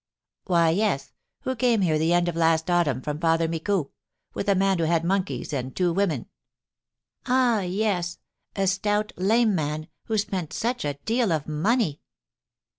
"Why, yes, who came here the end of last autumn from Father Micou, with a man who had monkeys and two women." "Ah, yes, a stout, lame man, who spent such a deal of money."